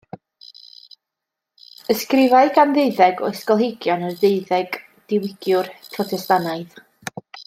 Ysgrifau gan ddeuddeg o ysgolheigion ar y deuddeg diwygiwr Protestannaidd.